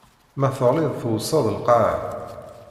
Ma teɣliḍ tewseɛ lqaɛa.